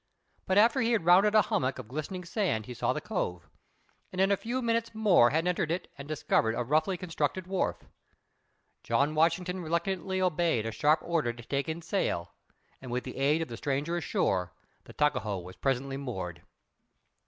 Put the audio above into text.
But after he had rounded a hummock of glistening sand he saw the cove, and in a few minutes more had entered it and discovered a roughly constructed wharf. John Washington reluctantly obeyed a sharp order to take in sail, and, with the aid of the stranger ashore, the Tuckahoe was presently moored.